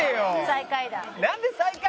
最下位だ。